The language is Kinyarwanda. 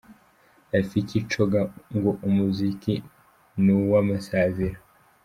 Rafiki Coga ngo umuziki ni uw'amasaziro.